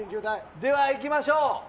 ではいきましょう。